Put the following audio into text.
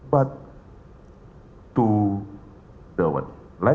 bukan hanya untuk asean